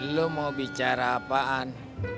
lo mau bicara apaan